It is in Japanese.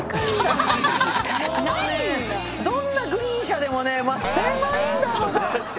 どんなグリーン車でもね